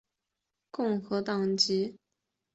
保陶基是共和党籍。